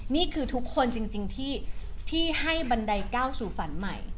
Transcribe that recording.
นี่คือทุกคนจริงที่ให้บันไดก้าวสู่ฝันใหม่